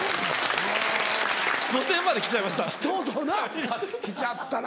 『御殿‼』まで来ちゃいました。